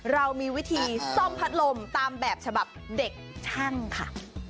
เรามีวิธีซ่อมพัดลมตามแบบฉบับเด็กช่างค่ะ